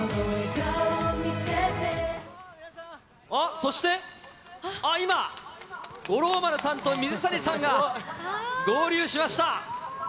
そして今、五郎丸さんと水谷さんが合流しました。